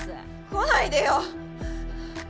来ないでよ！